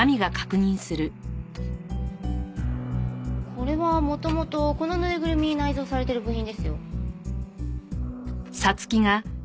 これは元々このぬいぐるみに内蔵されてる部品ですよ。